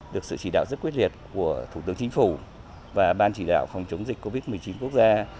được sự chỉ đạo rất quyết liệt của thủ tướng chính phủ và ban chỉ đạo phòng chống dịch covid một mươi chín quốc gia